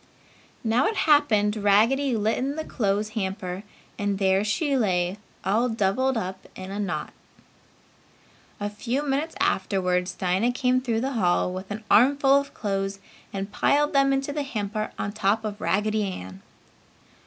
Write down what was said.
Now it happened Raggedy lit in the clothes hamper and there she lay all doubled up in a knot. A few minutes afterwards Dinah came through the hall with an armful of clothes and piled them in the hamper on top of Raggedy Ann.